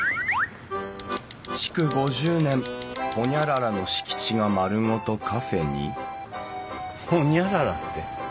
「築５０年『ホニャララ』の敷地が丸ごとカフェに」ホニャララって。